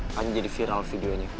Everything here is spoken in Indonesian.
akhirnya jadi viral videonya